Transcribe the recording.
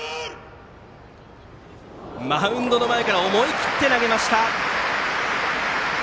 マウンドの前から思い切って投げました。